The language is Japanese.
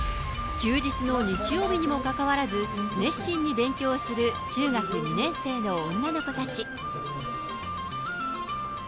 休日の日曜日にもかかわらず、熱心に勉強する中学２年生の女の子たち。